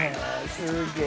すげえ！